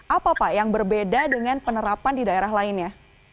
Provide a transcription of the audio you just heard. apa pak yang berbeda dengan penerapan di daerah lainnya